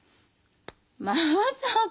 まさか。